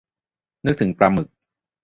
นึกถึงปลาหมึก